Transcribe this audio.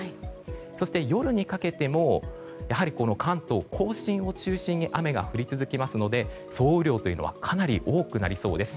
そして夜にかけてもやはり関東・甲信を中心に雨が降り続きますので総雨量というのはかなり多くなりそうです。